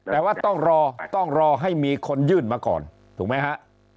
แต่ว่าต้องรอต้องรอให้มีคนยื่นมาก่อนถูกไหมฮะ